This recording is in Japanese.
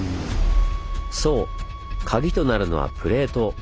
そうカギとなるのはプレート！